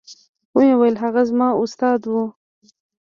ومې ويل هغه زما استاد و.